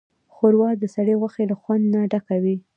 ښوروا د سرې غوښې له خوند نه ډکه وي.